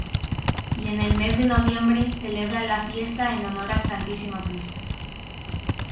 Y en el mes de noviembre celebran la Fiesta en honor al Santísimo Cristo.